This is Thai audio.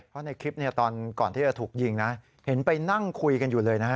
เพราะในคลิปตอนก่อนที่จะถูกยิงนะเห็นไปนั่งคุยกันอยู่เลยนะฮะ